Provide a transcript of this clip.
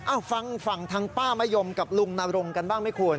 อ้าวฟังฟังทั้งป้ามะยมกลับลุงนรมกันบ้างไม่ควร